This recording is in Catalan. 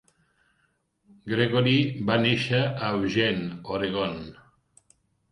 Gregory va néixer a Eugene, Oregon.